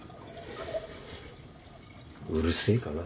うるせえかな。